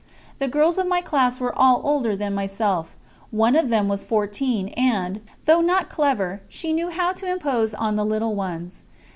The girls of my class were all older than myself; one of them was fourteen, and, though not clever, she knew how to impose on the little ones.